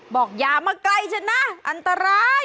อย่ามาไกลฉันนะอันตราย